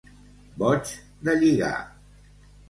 Boig de lligar.